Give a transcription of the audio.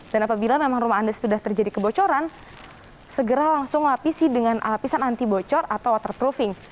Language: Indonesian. dan apabila memang rumah anda sudah terjadi kebocoran segera langsung lapisi dengan lapisan antibocor atau waterproofing